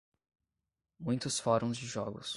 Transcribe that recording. Muitos fóruns de jogos